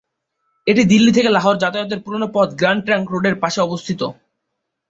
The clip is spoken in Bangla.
এটি দিল্লি থেকে লাহোর যাতায়াতের পুরনো পথ গ্র্যান্ড ট্রাঙ্ক রোডের পাশে অবস্থিত।